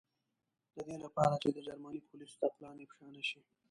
د دې له پاره چې د جرمني پولیسو ته پلان افشا نه شي.